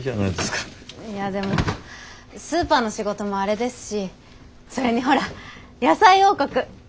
いやでもスーパーの仕事もあれですしそれにほら野菜王国！